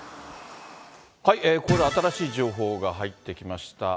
ここで新しい情報が入ってきました。